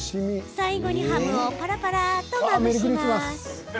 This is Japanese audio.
最後にハムをぱらぱらと、まぶします。